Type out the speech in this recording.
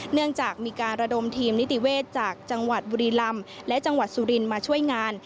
เนื่องจากมีการระดมทีมนิติเวศจากจังหวัดบุรีลำและจังหวัดสุรินทร์มาช่วยงาน